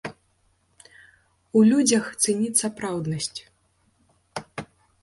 У людзях цэніць сапраўднасць.